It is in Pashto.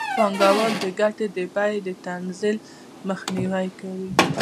پانګوال د ګټې د بیې د تنزل مخنیوی کوي